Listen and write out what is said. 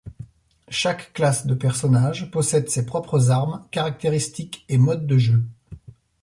Chaque classe de personnage possède ses propres armes, caractéristiques et modes de jeu.